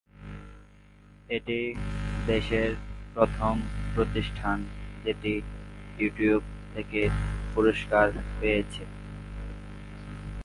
এটি দেশের প্রথম প্রতিষ্ঠান যেটি ইউটিউব থেকে পুরস্কার পেয়েছে।